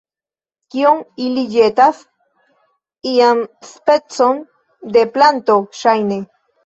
Kion ili ĵetas? ian specon de planto, ŝajne